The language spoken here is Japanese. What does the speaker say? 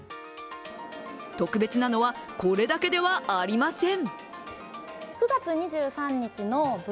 特別なのは、これだけではありません。